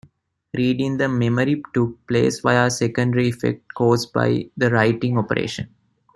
Reading the memory took place via a secondary effect caused by the writing operation.